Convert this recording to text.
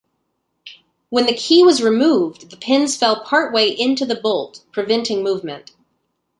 When the key was removed, the pins fell part-way into the bolt, preventing movement.